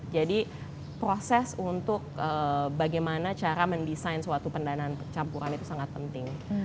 jadi proses untuk bagaimana cara mendesain suatu pendanaan campuran itu sangat penting